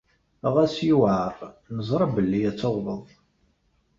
Ɣas yuɛeṛ, neẓṛa belli ad tawḍeḍ.